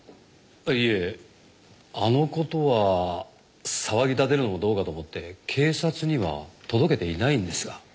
いえあの事は騒ぎ立てるのもどうかと思って警察には届けていないんですが。